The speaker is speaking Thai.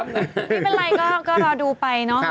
ไม่เป็นไรก็รอดูไป